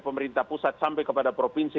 pemerintah pusat sampai kepada provinsi